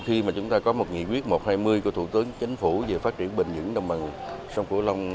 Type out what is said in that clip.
khi mà chúng ta có một nghị quyết một trăm hai mươi của thủ tướng chính phủ về phát triển bền dẫn đồng bằng sông thửu long